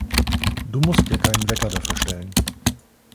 Du musst dir keinen Wecker dafür stellen.